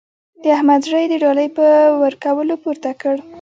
د احمد زړه يې د ډالۍ په ورکولو پورته کړ.